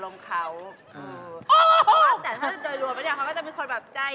นี่